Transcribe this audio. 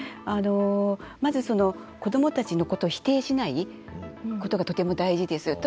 まず、子どもたちのことを否定しないことがとても大事です。